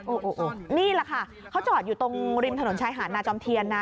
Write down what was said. โอ้โหนี่แหละค่ะเขาจอดอยู่ตรงริมถนนชายหาดนาจอมเทียนนะ